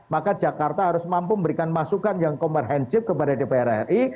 maka jakarta harus mampu memberikan masukan yang komprehensif kepada dpr ri